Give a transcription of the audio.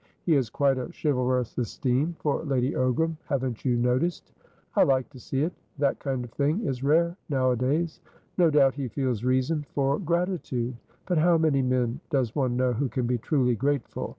He has quite a chivalrous esteem for Lady Ogram, haven't you noticed? I like to see it. That kind of thing is rare nowadays. No doubt he feels reason for gratitude; but how many men does one know who can be truly grateful?